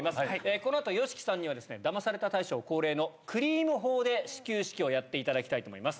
このあと、ＹＯＳＨＩＫＩさんにはダマされた大賞恒例のクリーム砲で始球式をやっていただきたいと思います。